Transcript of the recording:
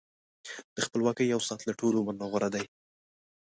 د خپلواکۍ یو ساعت له ټول عمر نه غوره دی.